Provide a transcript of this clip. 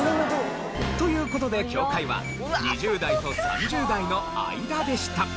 という事で境界は２０代と３０代の間でした。